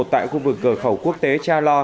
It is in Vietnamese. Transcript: tại khu vực cửa khẩu quốc tế cha lo